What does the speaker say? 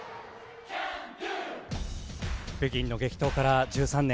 北京の激闘から１３年。